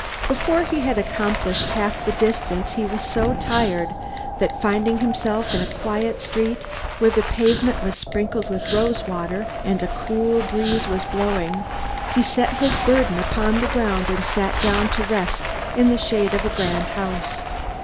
Before he had accomplished half the distance he was so tired that, finding himself in a quiet street where the pavement was sprinkled with rose water, and a cool breeze was blowing, he set his burden upon the ground, and sat down to rest in the shade of a grand house.